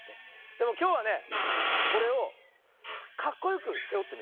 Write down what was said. でもきょうはねこれをかっこよくせおってみるよ。